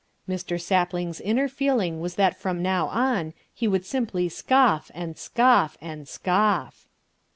Mr. Sapling's inner feeling was that from now on he would simply scoff and scoff and scoff.